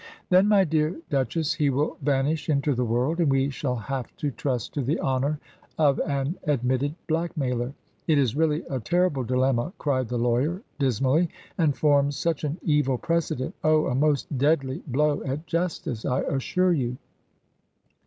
"Then, my dear Duchess, he will vanish into the world, and we shall have to trust to the honour of an admitted blackmailer. It is really a terrible dilemma," cried the lawyer, dismally, "and forms such an evil precedent oh, a most deadly blow at justice, I assure you."